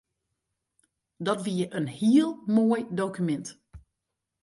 Dat wie in heel moai dokumint.